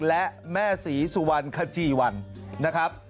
และแม่ศรีสุวรรณขจีวันนะครับ